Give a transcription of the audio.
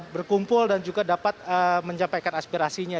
berkumpul dan juga dapat menyampaikan aspirasinya